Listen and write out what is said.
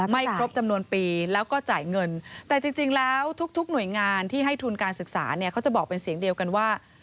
ไม่ครบจำนวนปีแล้วก็จ่ายเงินแต่จริงแล้วทุกหน่วยงานที่ให้ทุนการศึกษาเนี่ยเขาจะบอกเป็นเสียงเดียวกันว่า